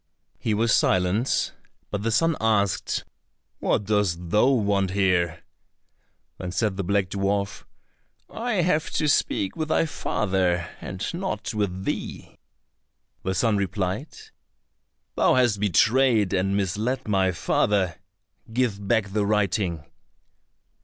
He was silent, but the son asked, "What dost thou want here?" Then said the black dwarf, "I have to speak with thy father, and not with thee." The son replied, "Thou hast betrayed and misled my father, give back the writing."